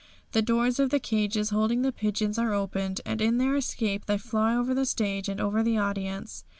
The doors of the cages holding the pigeons are opened, and in their escape they fly over the stage and over the audience.